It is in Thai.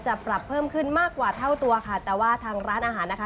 ปรับเพิ่มขึ้นมากกว่าเท่าตัวค่ะแต่ว่าทางร้านอาหารนะคะ